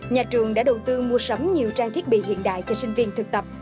nhà trường đã đầu tư mua sắm nhiều trang thiết bị hiện đại cho sinh viên thực tập